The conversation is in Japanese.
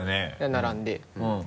並んで。